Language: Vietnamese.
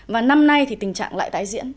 và năm nay thì tình trạng lại tái diễn